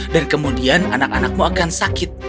dan kemudian anak anakmu akan sakit